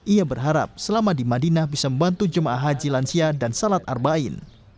ia berharap selama di madinah bisa membantu jemaah haji lansia dan salat arbain ⁇